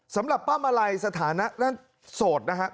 สำหรับป้ามาลัยสถานะนั้นโสดนะครับ